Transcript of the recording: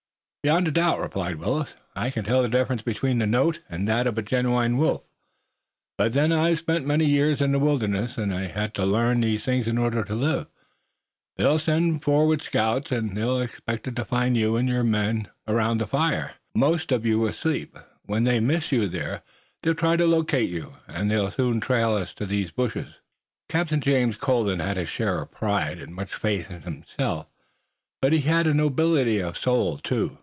"Beyond a doubt," replied Willet. "I can tell the difference between the note and that of a genuine wolf, but then I've spent many years in the wilderness, and I had to learn these things in order to live. They'll send forward scouts, and they'll expect to find you and your men around the fire, most of you asleep. When they miss you there they'll try to locate you, and they'll soon trail us to these bushes." Captain James Colden had his share of pride, and much faith in himself, but he had nobility of soul, too.